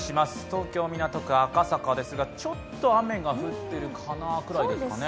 東京・港区赤坂ですが、ちょっと雨が降っているかなくらいですかね。